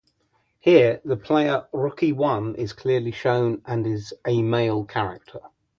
Here, the player Rookie One is clearly shown and is a male character.